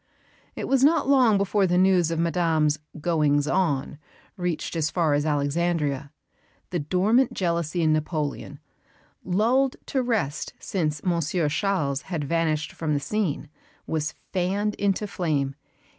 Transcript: It was not long before the news of Madame's "goings on" reached as far as Alexandria. The dormant jealousy in Napoleon, lulled to rest since Monsieur Charles had vanished from the scene, was fanned into flame.